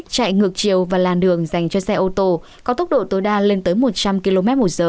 chạy ngược chiều và làn đường dành cho xe ô tô có tốc độ tối đa lên tới một trăm linh kmh